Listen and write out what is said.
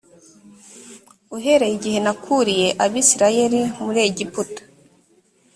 uhereye igihe nakuriye abisirayeli muri egiputa